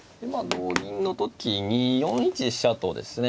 同銀の時に４一飛車とですね